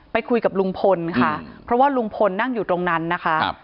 ไปคุยกับลุงพลค่ะเพราะว่าลุงพลนั่งอยู่ตรงนั้นนะคะ